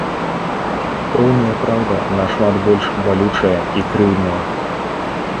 Поўная праўда нашмат больш балючая і крыўдная.